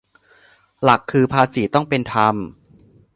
หลักคือ ภาษีต้องเป็นธรรม